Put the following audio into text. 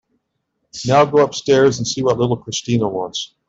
Now go upstairs and see what little Christina wants.